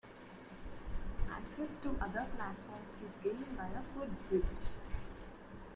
Access to the other platforms is gained by a footbridge.